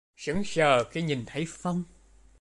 Sững sờ khi nhìn thấy Phong